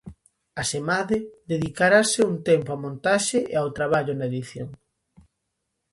Asemade, dedicarase un tempo á montaxe e ao traballo na edición.